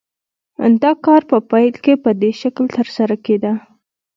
دا کار په پیل کې په دې شکل ترسره کېده